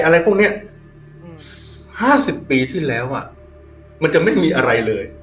อะไรพวกนี้๕๐ปีที่แล้วอ่ะมันจะไม่มีอะไรเลย